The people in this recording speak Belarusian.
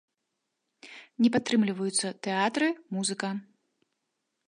Не падтрымліваюцца тэатры, музыка.